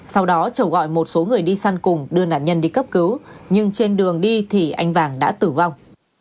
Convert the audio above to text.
sau đó trầu gọi một số người đi săn cùng đưa nạn nhân đi cấp cứu nhưng trên đường đi thì anh vàng đã tử vong